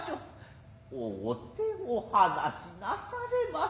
逢うてお話しなされませ。